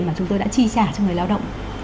mà chúng tôi đã chi trả cho người lao động